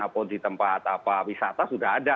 ataupun di tempat wisata sudah ada